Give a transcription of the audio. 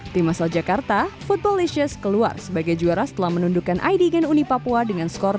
tim asal jakarta footballycious keluar sebagai juara setelah menundukkan idgen uni papua dengan skor dua